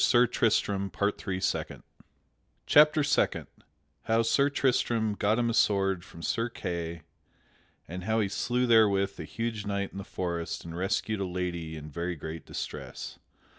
[Illustration: Sir Kay and the Forest Madman] Chapter Second _How Sir Tristram got him a sword from Sir Kay and how he slew therewith a huge knight in the forest and rescued a lady in very great distress.